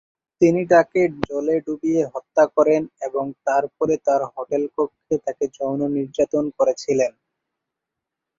তিনি তাকে জলে ডুবিয়ে হত্যা করেন এবং তারপরে তার হোটেল কক্ষে তাকে যৌন নির্যাতন করেছিলেন।